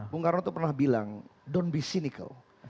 bung karno itu pernah bilang don't be cynical